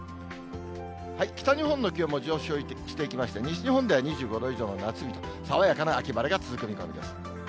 北日本の気温も上昇してきまして、西日本では２５度以上の夏日と、爽やかな秋晴れが続く見込みです。